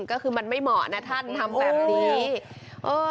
ก็คือมันไม่เหมาะนะท่านทำแบบนี้เออ